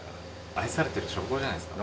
愛されてる証拠じゃないですか。